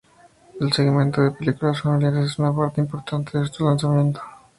El segmento de películas familiares es una parte importante de estos lanzamiento.